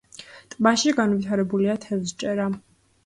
ტბაში განვითარებულია თევზჭერა.